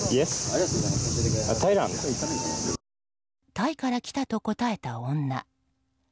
タイから来たと答えた女。